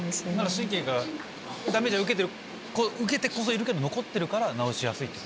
神経がダメージを受けてこそいるけど残ってるから治しやすい。